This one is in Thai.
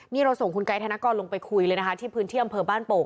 นี่เราส่งคุณไกด์ธนกรลงไปคุยเลยนะคะที่พื้นที่อำเภอบ้านโป่ง